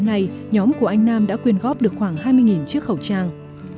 thùy đã quyên góp được khoảng hai mươi chiếc khẩu trang